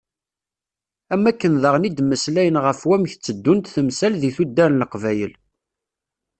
Am wakken daɣen i d-mmeslayen ɣef wamek tteddunt temsal di tuddar n Leqbayel.